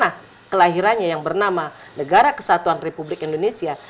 yang hidup di tanah kelahirannya yang bernama negara kesatuan republik indonesia